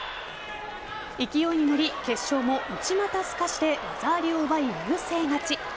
勢いに乗り決勝も内股すかしで技ありを奪い、優勢勝ち。